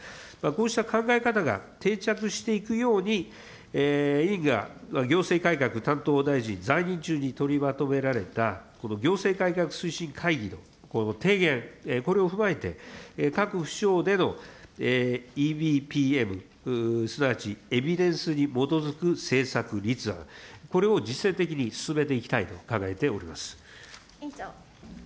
こうした考え方が定着していくように、委員が行政改革担当大臣在任中に取りまとめられた行政改革推進会議の提言、これを踏まえて、各府省でのＥＢＰＭ、すなわちエビデンスに基づく政策立案、これを実践的に進めていきたいと考えております。